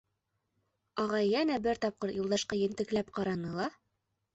Ағай йәнә бер тапҡыр Юлдашҡа ентекләп ҡараны ла: